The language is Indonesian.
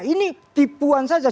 ini tipuan saja